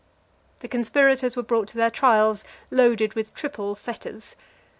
The conspirators were brought to their trials loaded with triple fetters.